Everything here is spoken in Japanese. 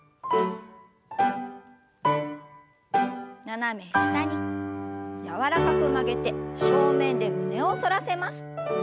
斜め下に柔らかく曲げて正面で胸を反らせます。